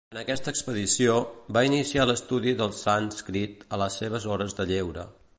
En aquesta expedició, va iniciar l'estudi del sànscrit a les seves hores de lleure.